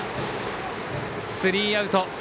スリーアウト。